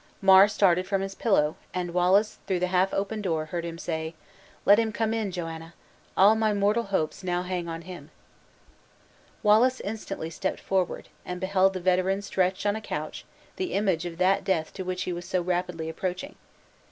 Mar started from his pillow, and Wallace through the half open door heard him say: "Let him come in, Joanna! All my mortal hopes now hang on him." Wallace instantly stepped forward, and beheld the veteran stretched on a couch, the image of that death to which he was so rapidly approaching.